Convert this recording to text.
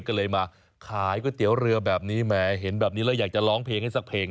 ก็เลยมาขายก๋วยเตี๋ยวเรือแบบนี้แหมเห็นแบบนี้แล้วอยากจะร้องเพลงให้สักเพลง